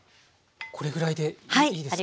これぐらいでいいですか？